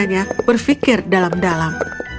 dan dia berpikir dalam dalam